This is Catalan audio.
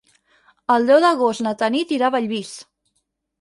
El deu d'agost na Tanit irà a Bellvís.